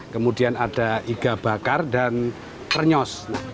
kemudian ada iga bakar dan krenyos